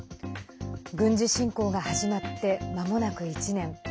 軍事侵攻が始まってまもなく１年。